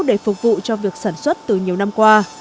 để phục vụ cho việc sản xuất từ nhiều năm qua